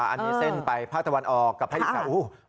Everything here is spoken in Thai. อันนี้เส้นไปภาคตะวันออกกับภาคอีสาน